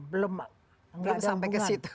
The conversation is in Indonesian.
belum sampai ke situ